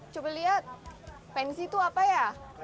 coba lihat pensi itu apa ya